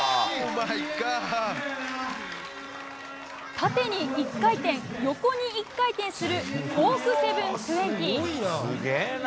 縦に１回転、横に１回転するコーク７２０。